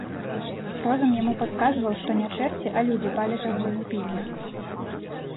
Розум яму падказваў, што не чэрці, а людзі паляць агонь у пільні.